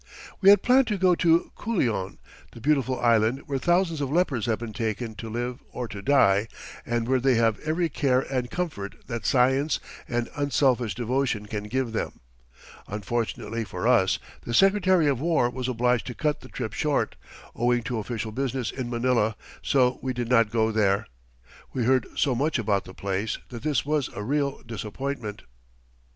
We had planned to go to Culion, the beautiful island where thousands of lepers have been taken to live or to die, and where they have every care and comfort that science and unselfish devotion can give them. Unfortunately for us, the Secretary of War was obliged to cut the trip short, owing to official business in Manila, so we did not go there. We heard so much about the place that this was a real disappointment.